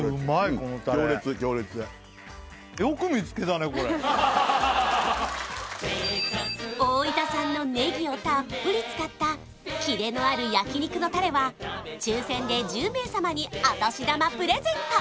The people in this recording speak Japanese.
このタレ大分産のネギをたっぷり使ったキレのある焼肉のたれは抽選で１０名様にお年玉プレゼント！